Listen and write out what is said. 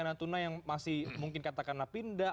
natuna yang masih mungkin katakanlah pindah